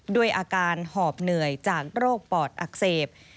ด้วยอาการหอบเหนื่อยจากโรคปอดอักเสบ